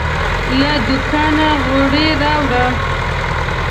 له دوکانه غیړي راوړه